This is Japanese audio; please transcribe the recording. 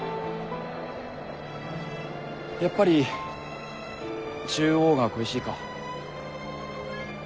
やっぱり中央が恋しいか？